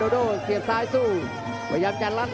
โอ้โหไม่พลาดกับธนาคมโดโด้แดงเขาสร้างแบบนี้